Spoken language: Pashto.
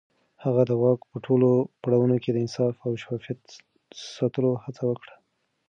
هغه د واک په ټولو پړاوونو کې د انصاف او شفافيت ساتلو هڅه وکړه.